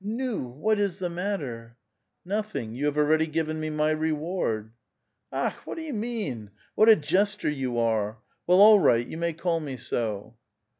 " Nu ! what is the matter? "" Nothing ; you have already given me my reward." ^^ Akhf what do you mean? What a jester you are I Well, all right, you may call me so."